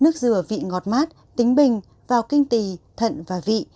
nước dừa vị ngọt mát tính bình vào kinh tì thận và vị